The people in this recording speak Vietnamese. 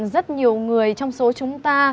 rất nhiều người trong số chúng ta